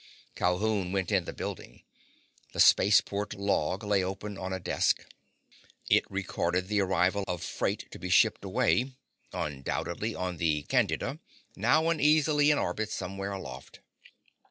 Calhoun went in the building. The spaceport log lay open on a desk. It recorded the arrival of freight to be shipped away—undoubtedly—on the Candida now uneasily in orbit somewhere aloft.